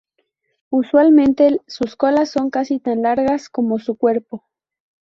Usualmente, sus colas son casi tan largas como su cuerpo.